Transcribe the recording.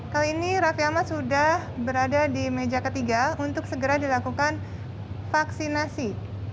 kali ini raffi ahmad sudah berada di meja ketiga untuk segera dilakukan vaksinasi